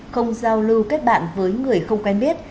không giao lưu kết bạn với người không quen biết